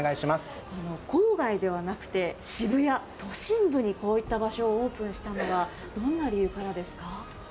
郊外ではなくて、渋谷、都心部にこういった場所をオープンしたのは、どんな理由からですか？